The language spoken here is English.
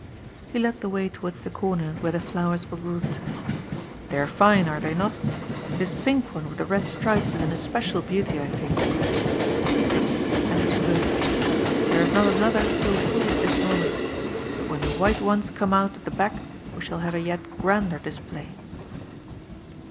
He led the way towards the comer where the flowers were grouped. '^ They are fine, are they not? This pink one with the red stripes is an especial beauty, I think "— ^he touched it as he spoke. ^ There is not another so full at this moment But when the white ones come out at the back, we shall have a yet grander display."